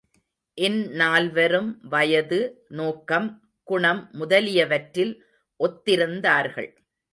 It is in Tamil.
இந்நால்வரும் வயது, நோக்கம், குணம் முதலியவற்றில் ஒத்திருந்தார்கள்.